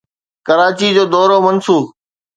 ڪراچي جو دورو منسوخ